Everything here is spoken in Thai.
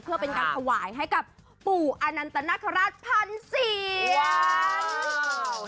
เพื่อเป็นการขวายให้กับปู่อนันตนธรรมภรรษ์พันธุ์เซียน